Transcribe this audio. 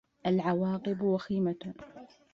العواقب وخيمة.